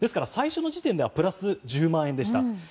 最初の時点ではプラス１０万円でした。